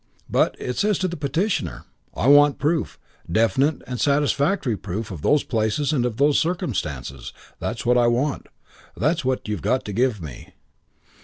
'But,' it says to the petitioner, 'I want proof, definite and satisfactory proof of those places and of those circumstances. That's what I want. That's what you've got to give me.'